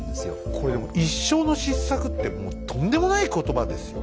これでも一生の失策ってもうとんでもない言葉ですよ。